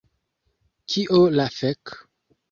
Kio la fek'...